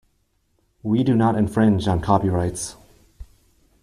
We do not infringe on copyrights.